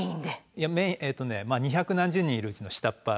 いや二百何十人いるうちの下っ端。